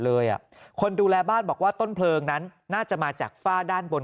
เลยอ่ะคนดูแลบ้านบอกว่าต้นเพลิงนั้นน่าจะมาจากฝ้าด้านบน